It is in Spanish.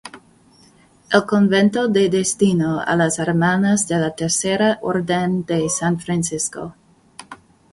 El convento se destinó a las Hermanas de la Tercera Orden de San Francisco.